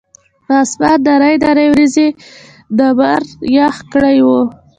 پۀ اسمان نرۍ نرۍ وريځې نمر يخ کړے وو